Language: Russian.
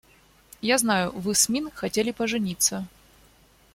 Я знаю, вы с Мин хотели пожениться.